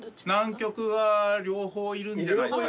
南極は両方いるんじゃないですか？